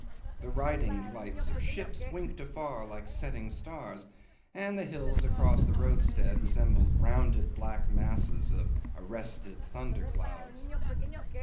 The riding lights of ships winked afar like setting stars, and the hills across the roadstead resembled rounded black masses of arrested thunder clouds.